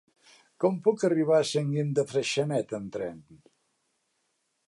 Com puc arribar a Sant Guim de Freixenet amb tren?